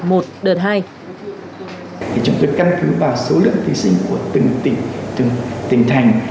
thì chúng tôi căn cứ vào số lượng thí sinh của từng tỉnh từng tỉnh thành